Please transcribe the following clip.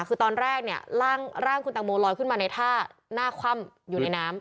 คือตอนแรกเนี่ยร่างคุณตังโมลอยขึ้นมาในท่าหน้าคว่ำอยู่ในน้ำ